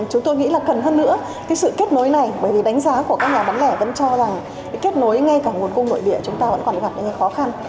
chúng tôi nghĩ là cần hơn nữa cái sự kết nối này bởi vì đánh giá của các nhà bán lẻ vẫn cho rằng kết nối ngay cả nguồn cung nội địa chúng ta vẫn còn gặp những khó khăn